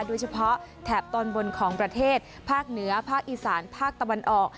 แถบตอนบนของประเทศภาคเหนือภาคอีสานภาคตะวันออก